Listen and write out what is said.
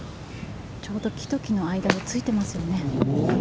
ちょうど木と木の間でついてますよね。